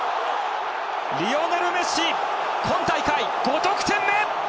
リオネル・メッシ今大会５得点目！